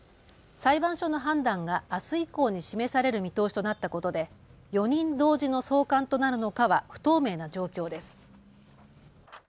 裁判所の判断があす以降に示される見通しとなったことで４人同時の送還となるのかは不透明な状況です。